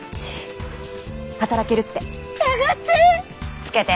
つけて。